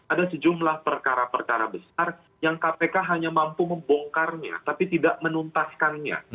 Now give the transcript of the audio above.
ada sejumlah perkara perkara besar yang kpk hanya mampu membongkarnya tapi tidak menuntaskannya